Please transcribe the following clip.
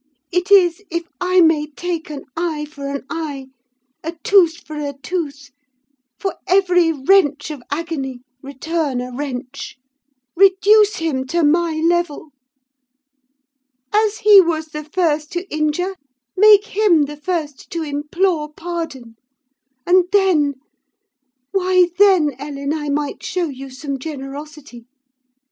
It is, if I may take an eye for an eye, a tooth for a tooth; for every wrench of agony return a wrench: reduce him to my level. As he was the first to injure, make him the first to implore pardon; and then—why then, Ellen, I might show you some generosity.